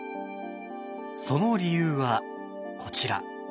その理由はこちら。